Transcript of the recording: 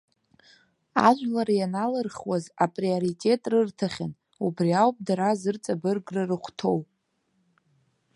Ажәлар ианалырхуаз априоритет рырҭахьан, убри ауп дара зырҵабыргра рыхәҭоу.